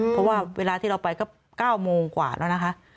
เพราะว่าเวลาที่เราไปก็๙โมงกว่าแล้วนะคะ